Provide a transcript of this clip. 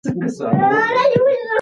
روغتیا وزارت خلک ته خدمتونه ورکوي.